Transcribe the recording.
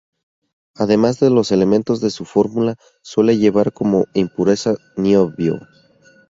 Además de los elementos de su fórmula, suele llevar como impureza niobio.